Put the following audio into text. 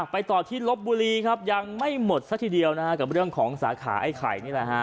ไปต่อที่ลบบุรีครับยังไม่หมดซะทีเดียวนะฮะกับเรื่องของสาขาไอ้ไข่นี่แหละฮะ